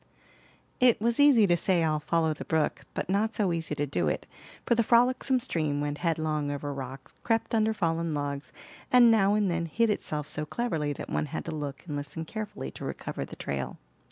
It was easy to say, "I'll follow the brook," but not so easy to do it; for the frolicsome stream went headlong over rocks, crept under fallen logs, and now and then hid itself so cleverly that one had to look and listen carefully to recover the trail.